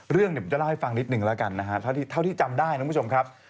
เรื่องเดี๋ยวผมจะเล่าให้ฟังนิดนึงแล้วกันนะฮะเท่าที่จำได้นะคุณผู้ชมครับ